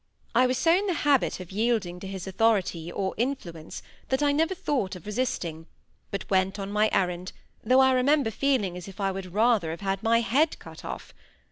I was so in the habit of yielding to his authority, or influence, that I never thought of resisting, but went on my errand, though I remember feeling as if I would rather have had my head cut off.